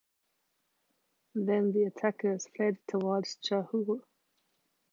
Then the attackers fled towards Chajul.